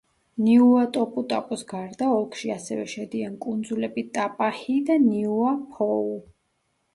ნიუატოპუტაპუს გარდა ოლქში ასევე შედიან კუნძულები ტაფაჰი და ნიუაფოოუ.